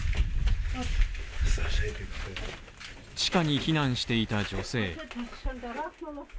地下に避難していた女性。